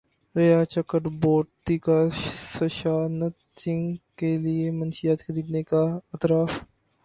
ریا چکربورتی کا سشانت سنگھ کے لیے منشیات خریدنے کا اعتراف